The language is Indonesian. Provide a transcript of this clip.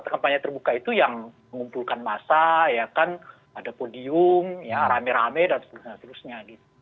kampanye terbuka itu yang mengumpulkan massa ada podium rame rame dan sebagainya